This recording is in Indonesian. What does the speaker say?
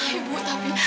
ya ibu tapi